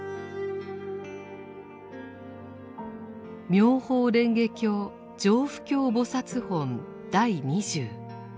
「妙法蓮華経常不軽菩薩品第二十」。